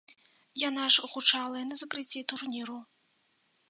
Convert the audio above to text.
Яна ж гучала і на закрыцці турніру.